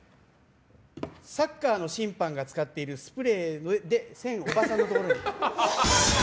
サッカーの審判が使っているスプレーで線をおばさんのところに引く。